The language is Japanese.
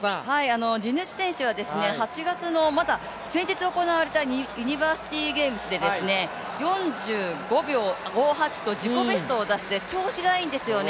地主選手は８月の先日行われた大会で４５秒５８と自己ベストを出して調子がいいんですよね、